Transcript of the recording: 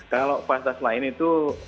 kalau fasilitas lain itu